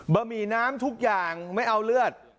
หมี่น้ำทุกอย่างไม่เอาเลือด